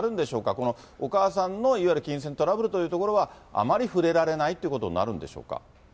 このお母さんのいわゆる金銭トラブルというところは、あまり触れられないということになるんでしょうか。